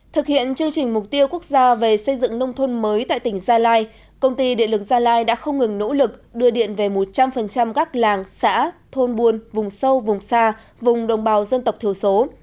thực hiện chương trình mục tiêu quốc gia về xây dựng nông thôn mới tại tỉnh gia lai công ty điện lực gia lai đã không ngừng nỗ lực đưa điện về một trăm linh các làng xã thôn buôn vùng sâu vùng xa vùng đồng bào dân tộc thiểu số